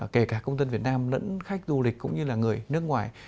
kể cả công dân việt nam lẫn khách du lịch cũng như là người nước ngoài